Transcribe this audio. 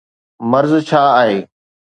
مرض ڇا آهي؟